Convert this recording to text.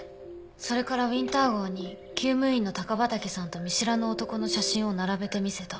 それからウィンター号に厩務員の高畠さんと見知らぬ男の写真を並べて見せた。